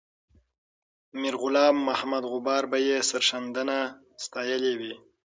میرغلام محمد غبار به یې سرښندنه ستایلې وي.